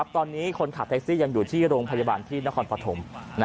ตอนนี้คนขับแท็กซี่ยังอยู่ที่โรงพยาบาลที่นครปฐม